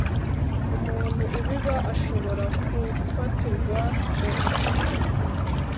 umuntu ubiba ashobora kufatirwa mu ikosa.